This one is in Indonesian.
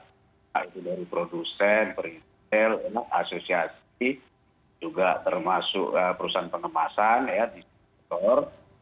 dari produsen ritel asosiasi juga termasuk perusahaan pengemasan disitor